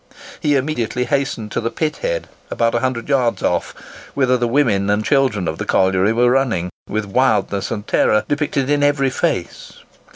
He immediately hastened to the pit head, about a hundred yards off, whither the women and children of the colliery were running, with wildness and terror depicted in every face.